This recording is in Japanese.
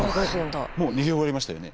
もう逃げ終わりましたよね。